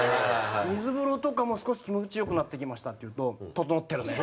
「水風呂とかも少し気持ちよくなってきました」って言うと「ととのってるね！」